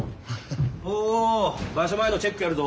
おう場所前のチェックやるぞ。